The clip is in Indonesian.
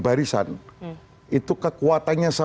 barisan itu kekuatannya